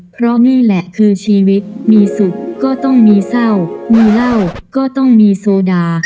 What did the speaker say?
เพราะนี่แหละคือชีวิตมีสุขก็ต้องมีเศร้ามีเหล้าก็ต้องมีโซดา